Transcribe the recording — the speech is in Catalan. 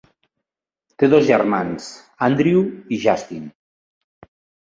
Té dos germans, Andrew i Justin.